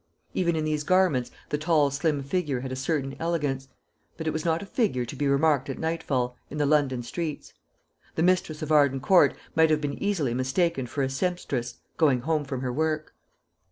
Even in these garments the tall slim figure had a certain elegance; but it was not a figure to be remarked at nightfall, in the London streets. The mistress of Arden Court might have been easily mistaken for a sempstress going home from her work.